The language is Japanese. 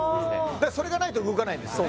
それがないと動かないんですよね